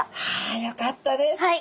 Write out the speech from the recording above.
あよかったです。